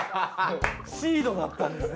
シードだったんですね。